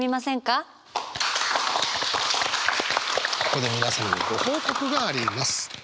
ここで皆様にご報告があります。